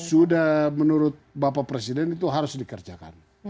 sudah menurut bapak presiden itu harus dikerjakan